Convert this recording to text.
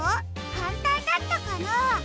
かんたんだったかな？